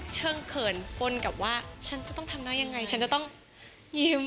เชิงเขินปนกับว่าฉันจะต้องทำได้ยังไงฉันจะต้องยิ้ม